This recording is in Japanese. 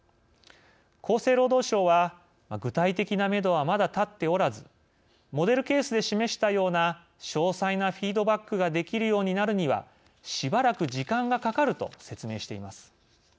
厚生労働省は「具体的なメドはまだ立っておらずモデルケースで示したような詳細なフィードバックができるようになるにはしばらく時間がかかる」と説明しています。